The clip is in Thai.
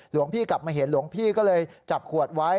หลวงพี่กลับมาเห็นหลวงพี่ก็เลยจับขวดไว้